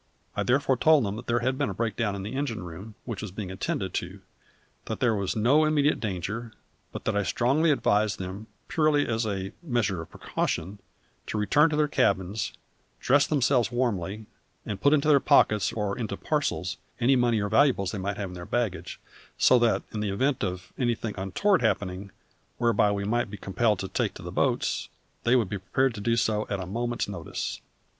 I therefore told them there had been a breakdown in the engine room, which was being attended to; that there was no immediate danger, but that I strongly advised them, purely as a measure of precaution, to return to their cabins, dress themselves warmly, and put into their pockets, or into parcels, any money or valuables they might have in their baggage, so that in the event of anything untoward happening, whereby we might be compelled to take to the boats, they would be prepared to do so at a moment's notice.